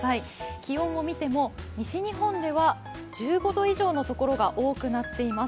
気温を見ても西日本は１５度以上の所が多くなっています。